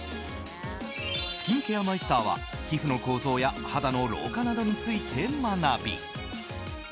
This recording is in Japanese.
スキンケアマイスターは皮膚の構造や肌の老化などについて学び